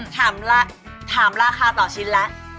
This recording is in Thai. ถามราคาต่อชิ้นแล้ว